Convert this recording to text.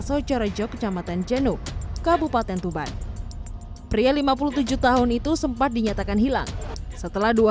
so corejo kecamatan jenuk kabupaten tuban pria lima puluh tujuh tahun itu sempat dinyatakan hilang setelah dua